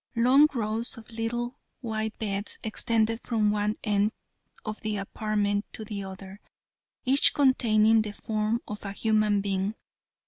Long rows of little white beds extended from one end of the apartment to the other, each containing the form of a human being.